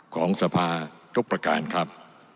ของสภาทุกประการครับ